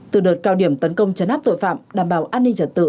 từ đợt cao điểm tấn công chấn áp tội phạm đảm bảo an ninh trật tự